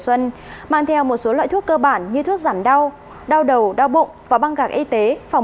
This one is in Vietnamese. xuân mang theo một số loại thuốc cơ bản như thuốc giảm đau đầu đau bụng và băng gạc y tế phòng